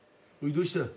どうした。